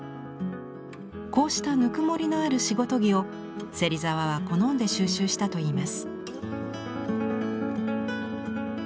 こうしたぬくもりのある仕事着を芹沢は好んで収集したといいます。